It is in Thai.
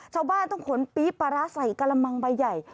ชาวบ้านต้องขนปี๊บปลาร้าใส่กระมังใบใหญ่